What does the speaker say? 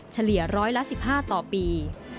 เฉลี่ย๑๑๕ต่อปี